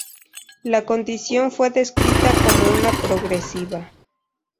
La condición fue descrita como una progresiva.